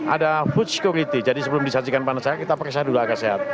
ada food security jadi sebelum disajikan pada saat kita periksa dulu agar sehat